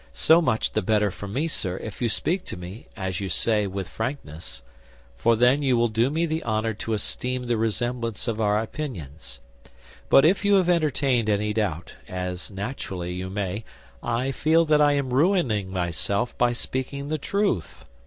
So much the better for me, sir, if you speak to me, as you say, with frankness—for then you will do me the honor to esteem the resemblance of our opinions; but if you have entertained any doubt, as naturally you may, I feel that I am ruining myself by speaking the truth.